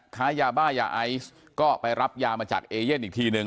ค้ายาบ้ายาไอซ์ก็ไปรับยามาจากเอเย่นอีกทีหนึ่ง